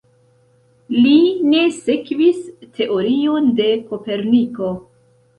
Li ne sekvis teorion de Koperniko.